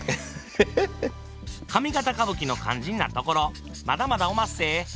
上方歌舞伎の肝心なところまだまだおまっせ。